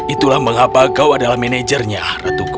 itulah mengapa kau adalah manajernya ratuku